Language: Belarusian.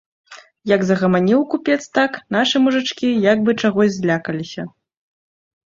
Як загаманіў купец так, нашы мужычкі як бы чагось злякаліся.